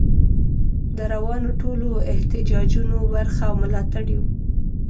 د روانو ټولو احتجاجونو برخه او ملاتړ یو.